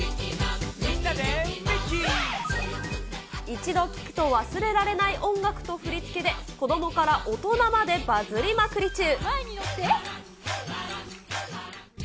一度聴くと忘れられない音楽と振り付けで、子どもから大人までバズりまくり中。